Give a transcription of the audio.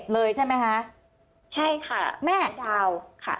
เลยใช่ไหมคะ